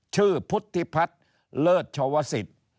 ชื่อพุทธิพัฒน์เลิศชวสิทธิ์